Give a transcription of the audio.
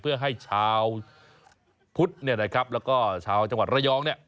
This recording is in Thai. เพื่อให้ชาวพุทธแล้วก็ชาวจังหวัดระยอง